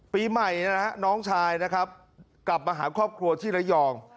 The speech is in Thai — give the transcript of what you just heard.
ปีใหม่นะฮะน้องชายนะครับกลับมาหาครอบครัวที่ระยอง